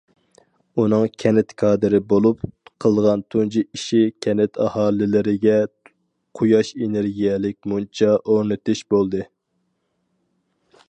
ئۇنىڭ كەنت كادىرى بولۇپ قىلغان تۇنجى ئىشى كەنت ئاھالىلىرىگە قۇياش ئېنېرگىيەلىك مۇنچا ئورنىتىش بولدى.